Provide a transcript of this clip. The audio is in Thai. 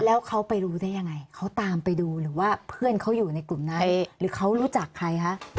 แล้วเขาไปรู้ได้ยังไงเขาตามไปดูหรือว่าเพื่อนเขาอยู่ในกลุ่มนั้นหรือเขารู้จักใครคะ